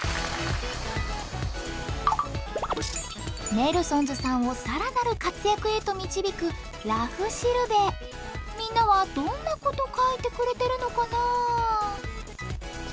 ネルソンズさんをさらなる活躍へと導く「らふしるべ」。みんなはどんなこと書いてくれてるのかなぁ？